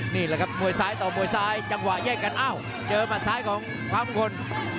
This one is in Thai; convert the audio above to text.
นี่แหละครับมวยซ้ายต่อมวยซ้ายจังหวะแยกกันอ้าวเจอหัดซ้ายของฟ้ามงคล